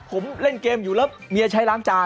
ผมเล่นเกมอยู่แล้วเมียใช้ล้างจาน